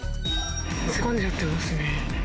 突っ込んじゃってますね。